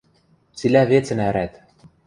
Цилӓ вецӹн ӓрӓт.